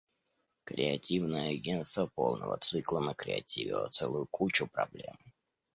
Креативное агенство полного цикла накреативило целую кучу проблем.